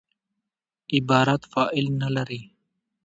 عبارت فاعل نه لري.